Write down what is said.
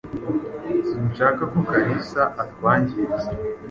Sinshaka ko Kalisa atwangiriza.